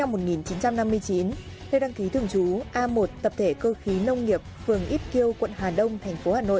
trần văn ngọc sinh năm một nghìn chín trăm năm mươi chín được đăng ký tưởng chú a một tập thể cơ khí nông nghiệp phường ít kiêu quận hà đông tp hà nội